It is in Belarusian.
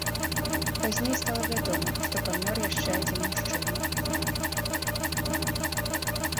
Пазней стала вядома, што памёр яшчэ адзін мужчына.